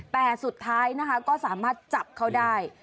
แต่สุดท้ายนะคะก็สามารถจับเขาได้